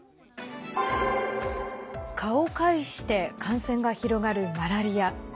蚊を介して感染が広がるマラリア。